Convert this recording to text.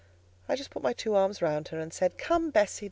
I just put my two arms round her and said, "Come, Bessie!